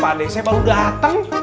pak d saya baru dateng